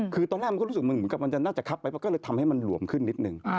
คือตอนแรกรู้สึกเหมือนมันมันจะคัพไปก็เลยทำให้มรวมขึ้นนิดนึง